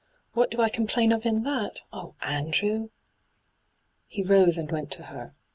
What do I complain of in that ? Oh, Andrew I' He rose and went to her.